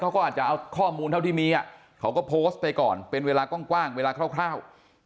เขาก็อาจจะเอาข้อมูลเท่าที่มีเขาก็โพสต์ไปก่อนเป็นเวลากว้างเวลาคร่าว